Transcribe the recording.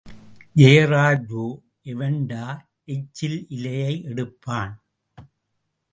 ஜெயராஜோ எவண்டா எச்சில் இலையை எடுப்பான்!...